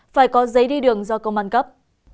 phải có giấy đi đường do công an cấp